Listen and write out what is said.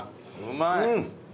うまい。